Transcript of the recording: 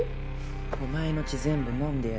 お前の血全部飲んでやるよ。